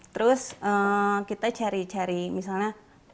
terus kita cari cari misalnya